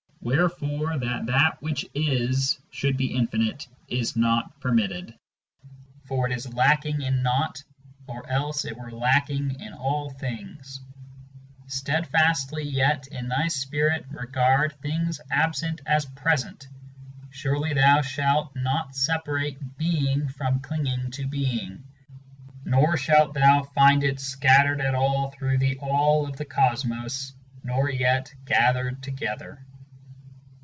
Wherefore that that which is should be infinite is not permitted ;* 5 For it is lacking in naught, or else it were lacking in all things. x * x Steadfastly yet in thy spirit regard things absent as present; Surely thon shalt not separate Being from clinging to Being, Nor shalt thou find it scattered at all through the All of the Cosmos, Nor yet gathered together.